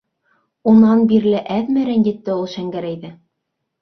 Унан бирле әҙме рәнйетте ул Шәңгәрәйҙе!